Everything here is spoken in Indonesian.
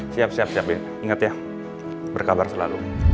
siap siap siap inget ya berkabar selalu